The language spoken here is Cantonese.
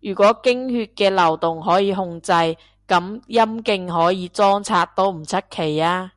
如果經血嘅流動可以控制，噉陰莖可以裝拆都唔出奇吖